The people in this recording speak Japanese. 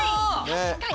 確かに！